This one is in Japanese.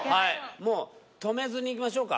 もう止めずにいきましょうか。